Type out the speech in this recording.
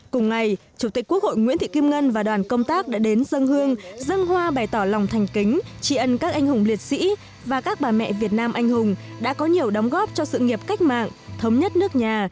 cùng ngày chủ tịch quốc hội nguyễn thị kim ngân và đoàn công tác đã đến dân hương dân hoa bày tỏ lòng thành kính tri ân các anh hùng liệt sĩ và các bà mẹ việt nam anh hùng đã có nhiều đóng góp cho sự nghiệp cách mạng thống nhất nước nhà